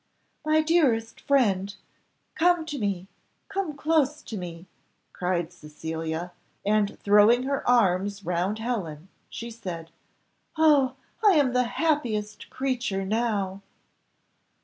"My dearest friend, come to me, come close to me," cried Cecilia, and throwing her arms round Helen, she said, "Oh, I am the happiest creature now!"